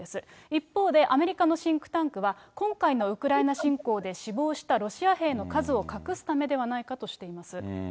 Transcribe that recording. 一方で、アメリカのシンクタンクは、こんかいのウクライナ侵攻で死亡したロシア兵の数を隠すためではないかとしています。